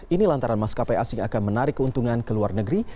ini lantaran maskapai asing akan menarik keuntungan ke luar negeri